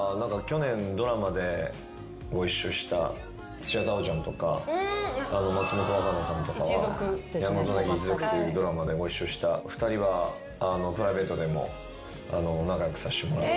土屋太鳳ちゃんとか松本若菜さんとかは『やんごとなき一族』っていうドラマでご一緒した２人はプライベートでも仲良くさせてもらって。